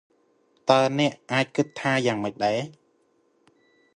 តើអ្នកអាចគិតថាយ៉ាងម៉េចដែរ?